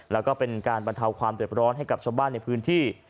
แล้วก็เป็นการบรรเทาความเด็บร้อนให้กับชาวบ้านในพื้นที่